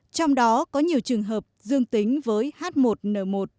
trong đó có nhiều trường hợp dương tính với h một n một